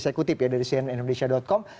saya kutip ya dari cnn indonesia com